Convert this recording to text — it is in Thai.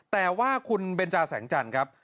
แต่ว่าคุณเบนจาแสงจันทร์ครับ